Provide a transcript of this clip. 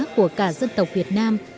của cả dân tộc việt nam